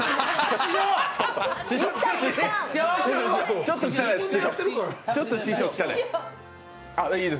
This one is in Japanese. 師匠、ちょっと汚いです。